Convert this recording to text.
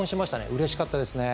うれしかったです。